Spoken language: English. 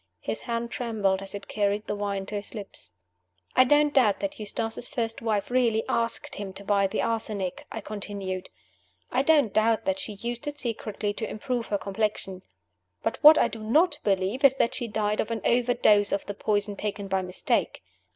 His hand trembled as it carried the wine to his lips. "I don't doubt that Eustace's first wife really asked him to buy the arsenic," I continued. "I don't doubt that she used it secretly to improve her complexion. But w hat I do not believe is that she died of an overdose of the poison, taken by mistake."